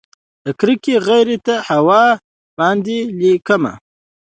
د کړکۍ غیږ ته هوا باندې ليکمه